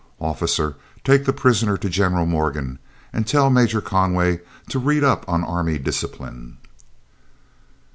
"Officer, take the prisoner to General Morgan, and tell Major Conway to read up on army discipline."